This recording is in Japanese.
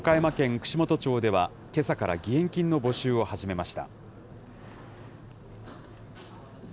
串本町では、けさから義援金の募集を始めました。